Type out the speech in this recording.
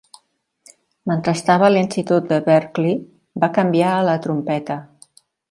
Mentre estava a l'institut de Berkeley, va canviar a la trompeta.